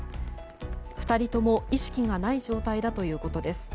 ２人とも意識がない状態だということです。